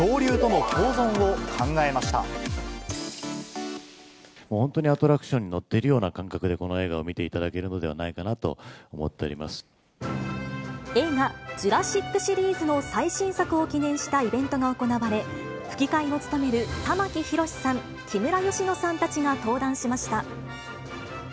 もう本当にアトラクションに乗っているような感覚で、この映画を見ていただけるのではないか映画、ジュラシックシリーズの最新作を記念したイベントが行われ、吹き替えを務める玉木宏さん、木村佳乃さんたちが登壇しました。